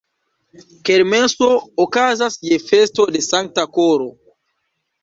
Kermeso okazas je festo de Sankta Koro.